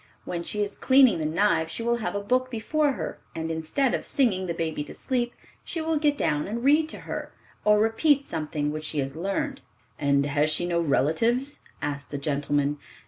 When she is cleaning the knives she will have a book before her; and instead of singing the baby to sleep, she will get down and read to her, or repeat something which she has learned." "And has she no relatives?" asked the gentleman.